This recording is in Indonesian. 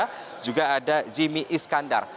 kemudian ada jimmy iskandar